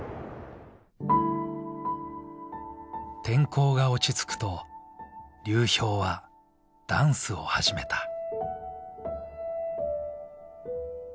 天候が落ち着くと流氷はダンスを始めた。